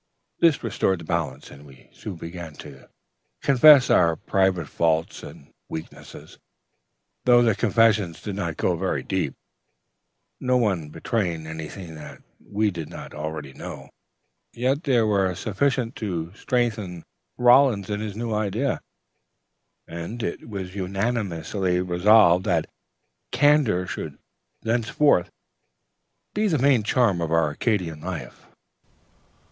"This restored the balance, and we soon began to confess our own private faults and weaknesses. Though the confessions did not go very deep, no one betraying any thing we did not all know already, yet they were sufficient to strengthen Hollins in his new idea, and it was unanimously resolved that Candor should thenceforth be the main charm of our Arcadian life....